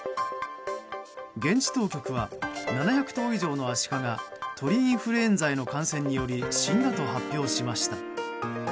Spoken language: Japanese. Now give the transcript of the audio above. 現地当局は７００頭以上のアシカが鳥インフルエンザへの感染により死んだと発表しました。